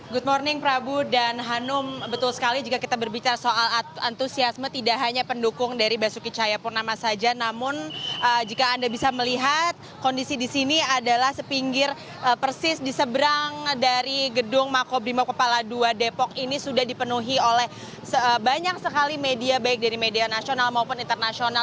good morning prabu dan hanum betul sekali jika kita berbicara soal antusiasme tidak hanya pendukung dari basuki cahaya purnama saja namun jika anda bisa melihat kondisi di sini adalah sepinggir persis diseberang dari gedung makobrimup kelapa dua depok ini sudah dipenuhi oleh banyak sekali media baik dari media nasional maupun internasional